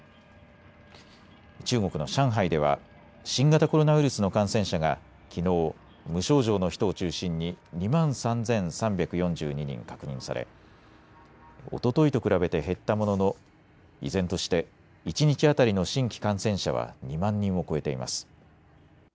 中国の上海では新型コロナウイルスの感染者がきのう、無症状の人を中心に２万３３４２人確認されおとといと比べて減ったものの依然として一日当たりの新規感染者は２万人を超えています。